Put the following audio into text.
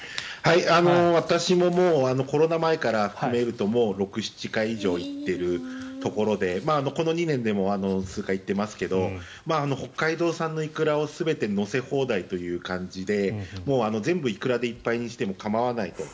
私もコロナ前から含めるともう６７回以上行っているところでこの２年でも数回行ってますが北海道産のイクラを全て乗せ放題という感じで全部イクラでいっぱいにしても構わないと。